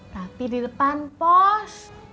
tapi di depan pos